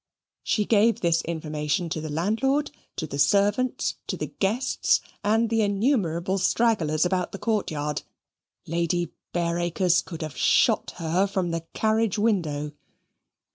She gave this information to the landlord, to the servants, to the guests, and the innumerable stragglers about the courtyard. Lady Bareacres could have shot her from the carriage window.